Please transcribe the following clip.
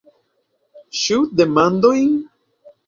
Ĉu demandojn?